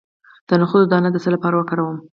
د نخود دانه د څه لپاره وکاروم؟